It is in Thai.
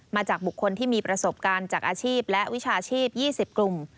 มาจากบุคคลที่มีประสบการณ์จากอาชีพและวิชาชีพ๒๐กลุ่ม